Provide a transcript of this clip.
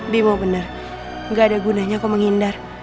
bimo bener gak ada gunanya aku menghindar